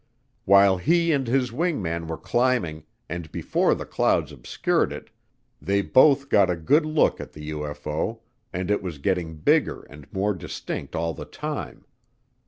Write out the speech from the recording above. While he and his wing man were climbing, and before the clouds obscured it, they both got a good look at the UFO, and it was getting bigger and more distinct all the time.